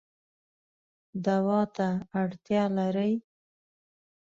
دوا ته اړتیا لرئ